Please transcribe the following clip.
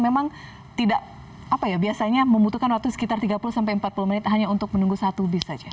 memang tidak apa ya biasanya membutuhkan waktu sekitar tiga puluh sampai empat puluh menit hanya untuk menunggu satu bis saja